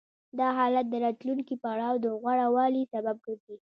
دا حالت د راتلونکي پړاو د غوره والي سبب ګرځي